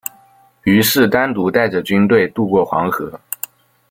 于是单独带着军队渡过黄河。